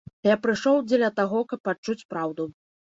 Я прыйшоў дзеля таго, каб пачуць праўду.